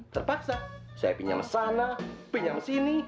terpaksa saya pinjam sana pinjam sini